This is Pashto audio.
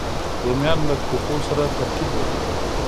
رومیان له کوکو سره ترکیب لري